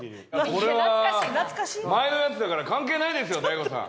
これは前のやつだから関係ないですよ大悟さん。